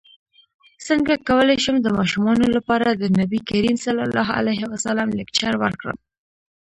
څنګه کولی شم د ماشومانو لپاره د نبي کریم ص لیکچر ورکړم